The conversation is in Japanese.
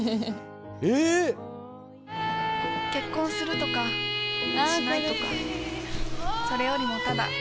えっ！結婚するとかしないとかそれよりもただ。